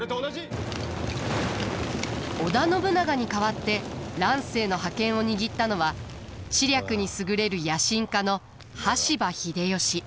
織田信長に代わって乱世の覇権を握ったのは知略に優れる野心家の羽柴秀吉。